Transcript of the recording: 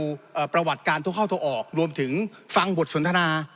ประวัติการโทรเข้าโทรออกรวมถึงฟังบทสนทนา